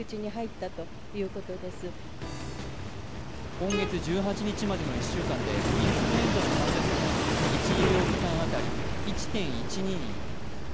今月１８日までの１週間でインフルエンザの患者数は１医療機関当たり１．１２人。